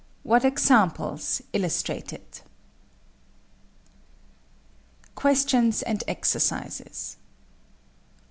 What examples illustrate it? QUESTIONS AND EXERCISES 1.